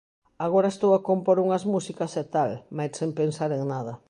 Agora estou a compor unhas músicas e tal, mais sen pensar en nada.